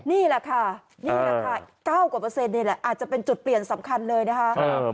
นี่แหละค่ะนี่แหละค่ะ๙กว่าเปอร์เซ็นนี่แหละอาจจะเป็นจุดเปลี่ยนสำคัญเลยนะคะ